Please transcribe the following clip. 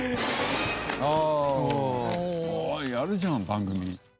やるじゃん番組。